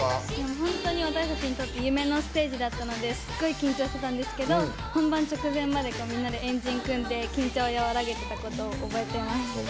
本当に私たちにとって夢のステージだったのですごい緊張してたんですけど本番直前までみんなで円陣組んで緊張を和らげてたことを覚えてます。